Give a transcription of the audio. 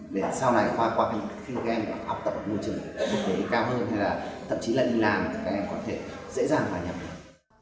để sau này khoa qua khi các em học tập ở môi trường ở mức cao hơn hay là thậm chí là đi làm thì các em có thể dễ dàng hòa nhập được